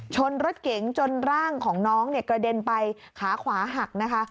ชนรถเก๋งจนร่างของน้องเนี่ยกระเด็นไปขาขวาหักนะคะ